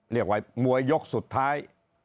เรียกไว้มวยยกสุดท้าย